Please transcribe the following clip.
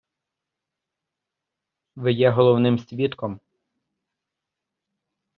Ви є головним свідком.